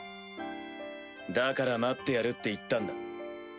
だから待ってやるって言ったんだ。